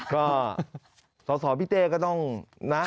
ก็สอสอพี่เต้ก็ต้องนะ